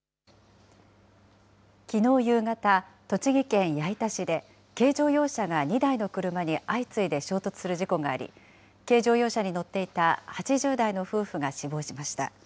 きのう夕方、栃木県矢板市で、軽乗用車が２台の車に相次いで衝突する事故があり、軽乗用車に乗っていた８０代の夫婦が死亡しました。